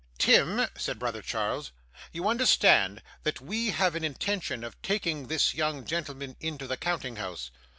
'Tim,' said brother Charles, 'you understand that we have an intention of taking this young gentleman into the counting house?